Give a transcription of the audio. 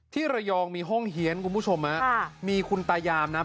ที่ระยองมีห้องเฮียนมีคุณตายาม